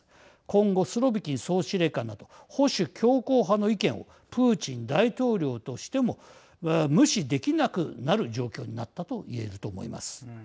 今後、スロビキン総司令官など保守強硬派の意見をプーチン大統領としても無視できなくなる状況になったと言えると思います。